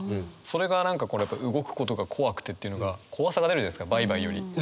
それが何か「動くことがこわくて」っていうのが怖さが出るじゃないですか「バイバイ」より。